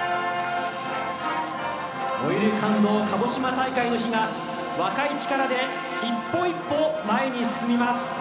「燃ゆる感動かごしま大会」の火が若い力で一歩一歩前に進みます。